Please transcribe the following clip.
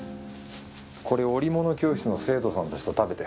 これ織物教室の生徒さんたちと食べて。